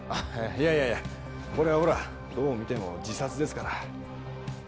いやいやいやこれはほらどう見ても自殺ですから。